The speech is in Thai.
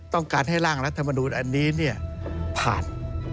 ต้องการให้ร่างรัฐมนูลอันนี้ผ่าน